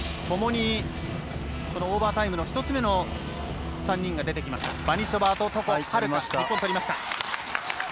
ともにオーバータイムの１つ目の３人が出てきました。